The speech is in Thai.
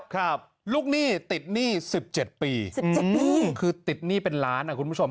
ครับลูกหนี้ติดหนี้สิบเจ็ดปีอืมคือติดหนี้เป็นล้านอ่ะคุณผู้ชม